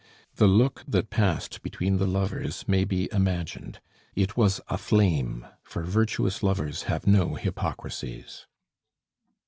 The look that passed between the lovers may be imagined; it was a flame, for virtuous lovers have no hypocrisies.